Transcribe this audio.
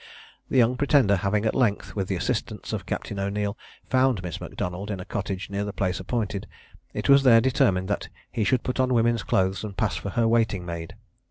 The young Pretender having at length, with the assistance of Captain O'Neil, found Miss M'Donald in a cottage near the place appointed, it was there determined that he should put on women's clothes and pass for her waiting maid.